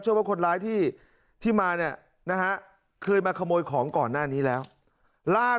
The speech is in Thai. เชื่อว่าคนร้ายที่มาเคยควรมาขโมยของก่อนและ